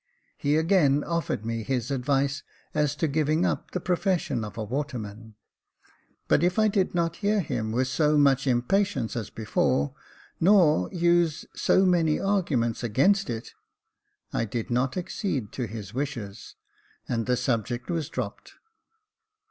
He again offered me his advice as to giving up the pro fession of a waterman ; but if I did not hear him with so much impatience as before, nor use so many arguments against it, I did not accede to his wishes, and the subject was dropped.